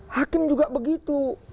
hakim juga begitu